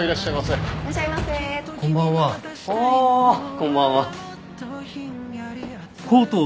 こんばんは。